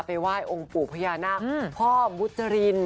ไปว่ายองค์ปู่พญานักพ่อบุจริน